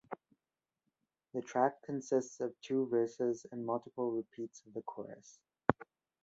The track consists of two verses and multiple repeats of the chorus.